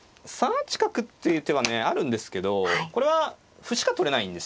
３八角という手はねあるんですけどこれは歩しか取れないんですよね。